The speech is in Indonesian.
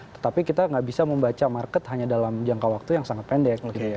tetapi kita nggak bisa membaca market hanya dalam jangka waktu yang sangat pendek